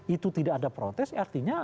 itu tidak ada protes artinya